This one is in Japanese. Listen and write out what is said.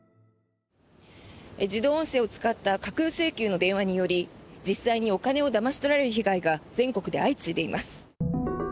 自動音声を使った架空請求の電話により実際にお金をだまし取られる被害が全国で相次いでいます。